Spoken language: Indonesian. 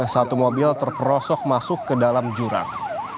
satu mobil terperosok masuk ke dalam jurang